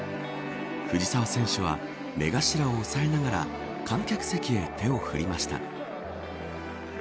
藤澤選手は目頭を押さえながら観客席へ手を振りました。